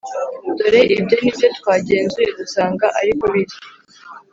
Dore ibyo ni byo twagenzuye dusanga ari kobiri,